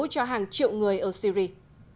cho hàng triệu người ở syria